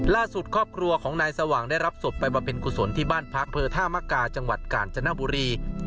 ครอบครัวของนายสว่างได้รับศพไปบำเพ็ญกุศลที่บ้านพักเผลอท่ามกาจังหวัดกาญจนบุรี